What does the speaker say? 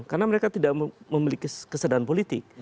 karena mereka tidak memiliki kesadaran politik